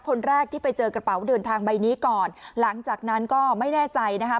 คนแรกที่ไปเจอกระเป๋าเดินทางใบนี้ก่อนหลังจากนั้นก็ไม่แน่ใจนะคะ